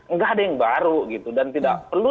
nggak ada yang baru gitu dan tidak perlu